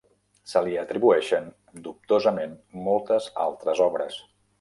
Se li atribueixen dubtosament moltes altres obres.